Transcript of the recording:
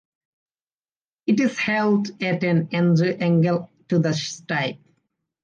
It is held at an angle to the stipe.